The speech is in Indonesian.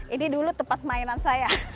ini dulu tempat mainan saya